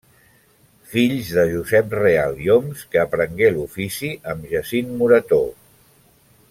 Fills de Josep Real i Homs, que aprengué l'ofici amb Jacint Moretó.